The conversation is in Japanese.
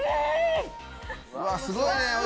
すごいね！